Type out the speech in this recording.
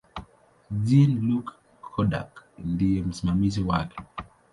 Jean-Luc Godard ndiye msimamizi wake.